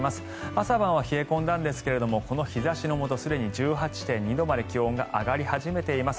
朝晩は冷え込んだんですがこの日差しのもとすでに１８．２度まで気温が上がり始めています。